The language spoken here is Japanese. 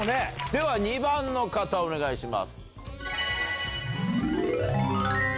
では２番の方お願いします。